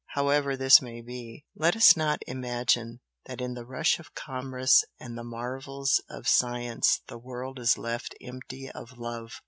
However this may be, let us not imagine that in the rush of commerce and the marvels of science the world is left empty of love!